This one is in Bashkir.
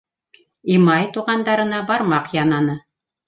Имай туғандарына бармаҡ янаны: